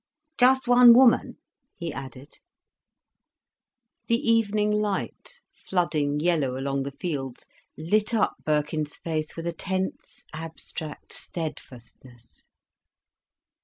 "Just one woman?" he added. The evening light, flooding yellow along the fields, lit up Birkin's face with a tense, abstract steadfastness.